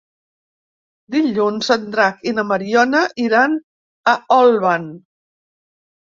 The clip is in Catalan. Dilluns en Drac i na Mariona iran a Olvan.